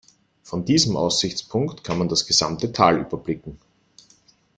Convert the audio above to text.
Von diesem Aussichtspunkt kann man das gesamte Tal überblicken.